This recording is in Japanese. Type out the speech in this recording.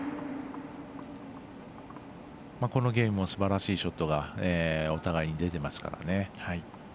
このゲームもすばらしいショットお互いに出てますからね。